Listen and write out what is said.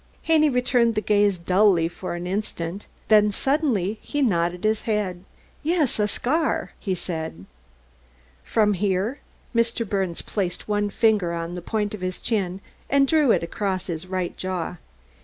Haney returned the gaze dully for an instant, then suddenly he nodded his head. "Yes, a scar," he said. "From here?" Mr. Birnes placed one finger on the point of his chin and drew it across his right jaw.